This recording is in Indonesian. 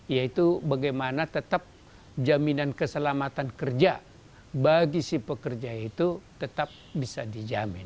yaitu bagaimana tetap jaminan keselamatan kerja bagi si pekerja itu tetap bisa dijamin